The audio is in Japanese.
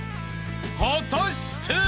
［果たして！？］